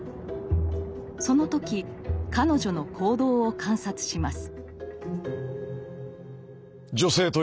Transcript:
その時彼女の行動を観察します。